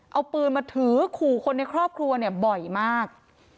เอาปืนมาถือขู่คนในครอบครัวเนี่ยบ่อยมาก